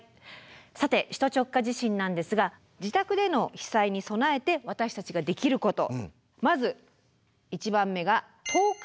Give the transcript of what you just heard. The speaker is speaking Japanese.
さて首都直下地震なんですが自宅での被災に備えて私たちができること。